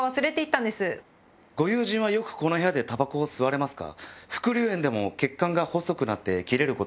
ご友人はこの部屋でたばこを吸われますか？